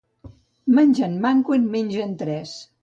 Menjant manco en mengen tres.